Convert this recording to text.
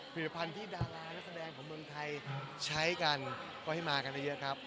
ผลิตภัณฑ์ที่ดารานักแสดงของเมืองไทยใช้กันก็ให้มากันเยอะครับ